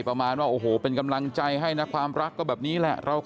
ประมาณว่าโอ้โหเป็นกำลังใจให้นะความรักก็แบบนี้แหละ